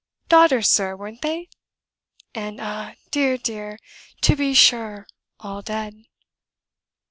Daughters, sir, weren't they? and, ah, dear! dear! to be sure! all dead."